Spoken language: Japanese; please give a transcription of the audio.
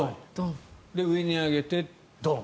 上に上げてドン。